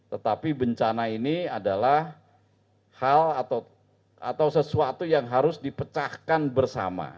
tetapi bencana ini adalah hal atau sesuatu yang harus dipecahkan bersama